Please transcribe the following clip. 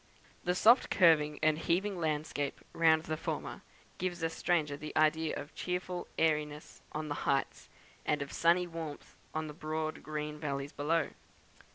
The soft curving and heaving landscape round the former gives a stranger the idea of cheerful airiness on the heights, and of sunny warmth in the broad green valleys below.